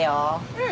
うん。